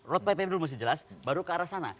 road mapnya dulu masih jelas baru ke arah sana